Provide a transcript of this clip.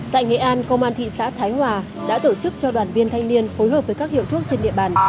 tại nghệ an công an thị xã thái hòa đã tổ chức cho đoàn viên thanh niên phối hợp với các hiệu thuốc trên địa bàn